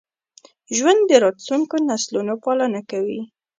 ژوندي د راتلونکو نسلونو پالنه کوي